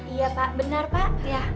iya pak benar pak